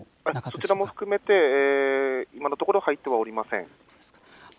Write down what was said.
そちらも含めて今のところ入ってはおりません。